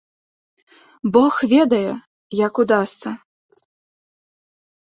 Бог ведае, як удасца.